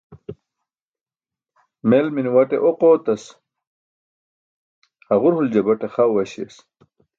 Mel minuwaṭe oq ootas, haġur huljabaṭe xa uwaśiyas.